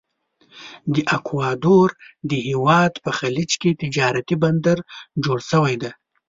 د اکوادور د هیواد په خلیج کې تجارتي بندر جوړ شوی دی.